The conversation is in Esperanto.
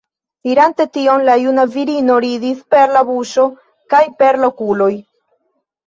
Dirante tion, la juna virino ridis per la buŝo kaj per la okuloj.